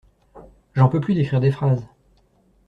J'en peux plus d'écrire des phrases.